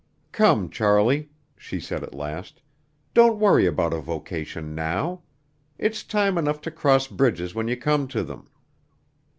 "Come, Charlie," she said at last, "don't worry about a vocation now. It's time enough to cross bridges when you come to them.